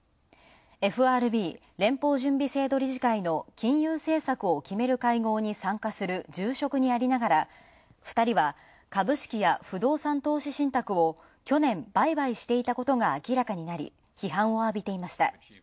ＦＲＢ＝連邦準備制度理事会の金融政策を決める会合に参加する重職にありながら２人は株式や不動産投資信託を去年、売買していたことが明らかになり批判を浴びていました。